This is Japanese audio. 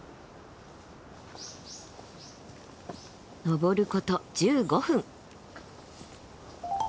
登ること１５分。